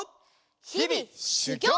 ひびしゅぎょう！